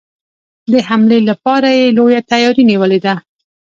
د حملې لپاره یې لويه تیاري نیولې ده.